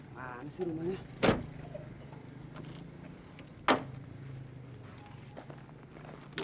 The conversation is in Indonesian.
mana sih rumahnya